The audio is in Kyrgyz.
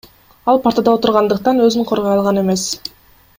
Ал партада отургандыктан өзүн коргой алган эмес.